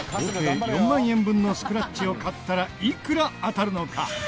合計４万円分のスクラッチを買ったらいくら当たるのか？